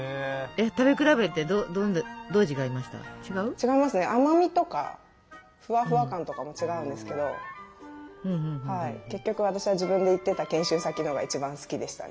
違いますね甘みとかフワフワ感とかも違うんですけど結局私は自分で行ってた研修先のが一番好きでしたね。